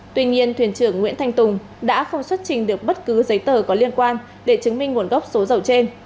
tuy nhiên thuyền trưởng nguyễn thanh tùng đã không xuất trình được bất cứ giấy tờ có liên quan để chứng minh nguồn gốc số dầu trên